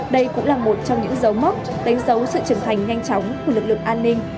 đây cũng là một trong những dấu mốc đánh dấu sự trưởng thành nhanh chóng của lực lượng an ninh